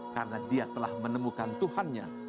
karena dia telah menemukan tuhannya